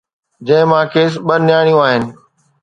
جنهن مان کيس ٻه نياڻيون آهن.